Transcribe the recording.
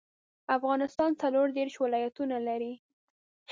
افغانستان څلوردیرش ولایاتونه لري